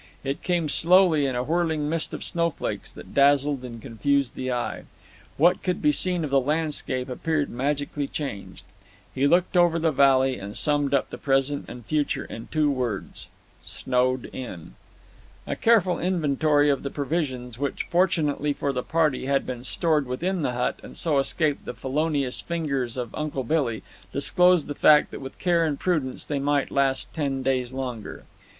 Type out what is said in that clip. It came slowly in a whirling mist of snowflakes that dazzled and confused the eye. What could be seen of the landscape appeared magically changed. He looked over the valley, and summed up the present and future in two words "snowed in!" A careful inventory of the provisions, which, fortunately for the party, had been stored within the hut and so escaped the felonious fingers of Uncle Billy, disclosed the fact that with care and prudence they might last ten days longer.